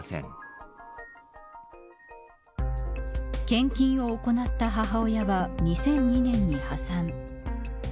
献金を行った母親は２００２年に破産。